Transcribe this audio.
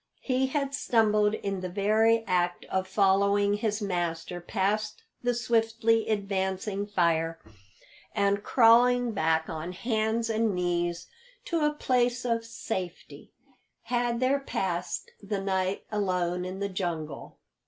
He had stumbled in the very act of following his master past the swiftly advancing fire, and crawling back on hands and knees to a place of safety, had there passed the night alone in the jungle.